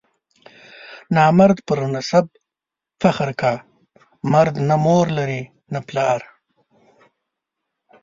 نامرد پر نسب فخر کا، مرد نه مور لري نه پلار.